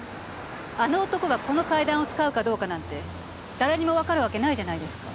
あの男がこの階段を使うかどうかなんて誰にもわかるわけないじゃないですか。